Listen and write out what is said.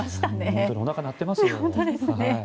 本当におなかが鳴ってますよ。